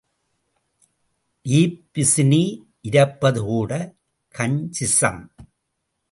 Ebb பிசினி இரப்பதுகூடக் கஞ்சிசம்.